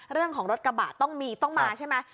เรื่องของรถกระบะต้องมาใช่ไหม